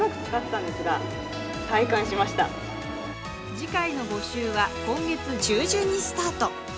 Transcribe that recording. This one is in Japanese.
次回の募集は今月中旬にスタート。